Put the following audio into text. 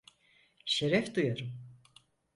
Şeref duyarım.